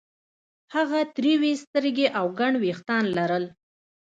هغه تروې سترګې او ګڼ وېښتان لرل